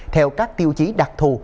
theo các tiêu chí đặc thù